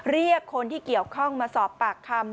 เรียกคนที่เกี่ยวข้องมาสอบปากคำ